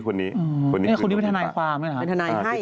คนนี้เป็นทนายความใช่ไหมฮะเป็นทนายให้